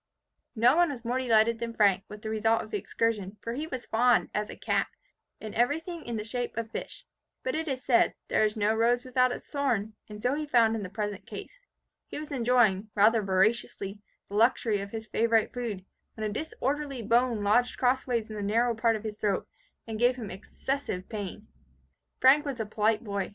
No one was more delighted than Frank, with the result of the excursion; for he was fond, as a cat, of everything in the shape of fish. But, it is said, there is no rose without its thorn; and so he found in the present case. He was enjoying, rather voraciously, the luxury of his favourite food, when a disorderly bone lodged crossways in the narrow part of his throat, and gave him excessive pain. Frank was a polite boy.